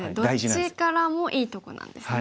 どっちからもいいとこなんですね。